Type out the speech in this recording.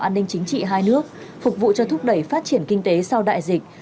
an ninh chính trị hai nước phục vụ cho thúc đẩy phát triển kinh tế sau đại dịch